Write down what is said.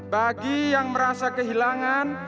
bagi yang merasa kehilangan